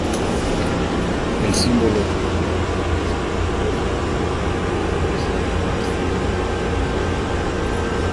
El símbolo del final es que el temeroso Atahualpa empieza a hablar en castellano.